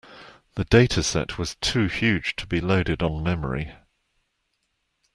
The dataset was too huge to be loaded on memory.